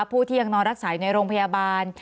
ผู้ที่ยังนอนรักษาอยู่ในโรงพยาบาล